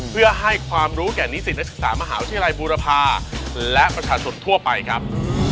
เพื่อให้ความรู้แก่นิสิตนักศึกษามหาวิทยาลัยบูรพาและประชาชนทั่วไปครับ